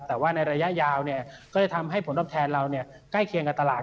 แต่ว่าในระยะยาวก็จะทำให้ผลตอบแทนเราใกล้เคียงกับตลาด